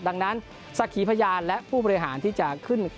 ดังนั้นสักขีพญานและผู้บริหารที่จะขึ้นค่าเข็มขัดแชมป์